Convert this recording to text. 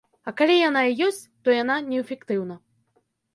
А калі яна і ёсць, то яна неэфектыўна.